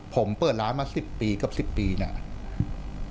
ผมเปิดร้านมา๑๐ปีกับ๑๐ปีเนี่ย